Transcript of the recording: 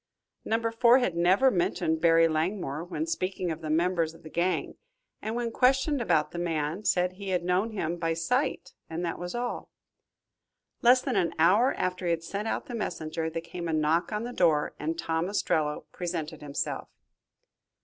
Number Four had never mentioned Barry Langmore when speaking of the members of the gang, and when questioned about the man, said he had known him by sight and that was all. Less than an hour after he had sent out the messenger, there came a knock on the door and Tom Ostrello presented himself.